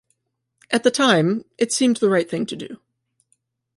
At the time, it seemed the right thing to do.